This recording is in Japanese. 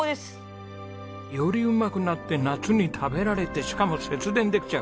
よりうまくなって夏に食べられてしかも節電できちゃう。